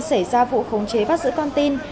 xảy ra vụ khống chế bắt giữ con tin